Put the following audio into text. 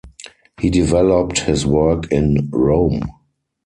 He developed his work in Rome.